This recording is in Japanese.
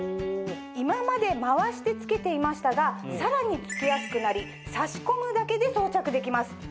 今まで回してつけていましたがさらにつけやすくなり差し込むだけで装着できます。